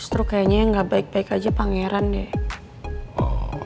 terus kayaknya yang ga baik baik aja pangeran deh